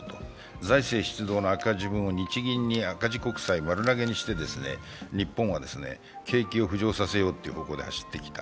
財政出動の赤字分を日銀に赤字国債、丸投げにして日本は景気を浮上させようという方向で走ってきた。